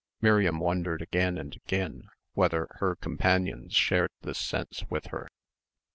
Miriam wondered again and again whether her companions shared this sense with her.